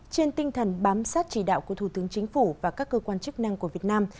trên tinh thần bám sát chỉ đạo của thủ tướng chính phủ và các cơ quan chức năng của việt nam